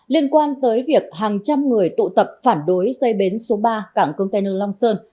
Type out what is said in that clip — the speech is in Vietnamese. liên quan tới việc hàng trăm người tụ tập phản đối dây bến số ba cảng công tây nương long sơn